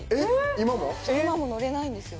今も乗れないんですよ。